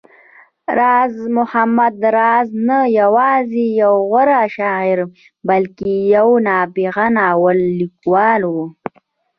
راز محمد راز نه يوازې يو غوره شاعر، بلکې يو نابغه ناول ليکوال و